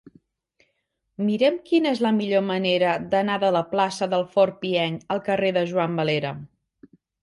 Mira'm quina és la millor manera d'anar de la plaça del Fort Pienc al carrer de Juan Valera.